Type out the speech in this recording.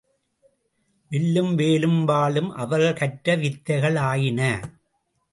வில்லும் வேலும் வாளும் அவர்கள் கற்ற வித்தைகள் ஆயின.